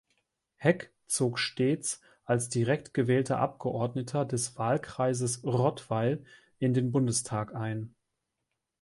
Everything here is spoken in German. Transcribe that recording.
Heck zog stets als direkt gewählter Abgeordneter des Wahlkreises Rottweil in den Bundestag ein.